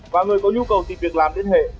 và người có nhu cầu tìm việc làm liên hệ